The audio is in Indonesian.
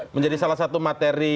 menjadi salah satu materi